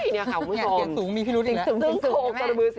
อยากเกี่ยวสูงมีพี่รุ้ดอีกแล้วสูงไหมแม่สูง